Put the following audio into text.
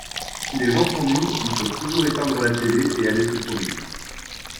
Si les gens s'ennuient ils peuvent toujours éteindre la téle et aller se promener.